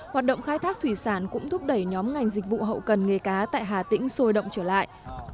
hoạt động khai thác thủy sản cũng thúc đẩy nhóm ngành dịch vụ hậu cần nghề cá tại hà tĩnh sôi động trở lại